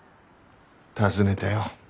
尋ねたよ。